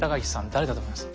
誰だと思います？